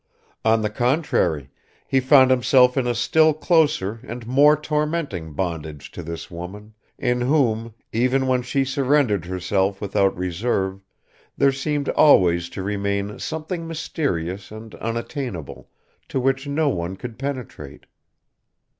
On the contrary, he found himself in a still closer and more tormenting bondage to this woman, in whom, even when she surrendered herself without reserve, there seemed always to remain something mysterious and unattainable, to which no one could penetrate.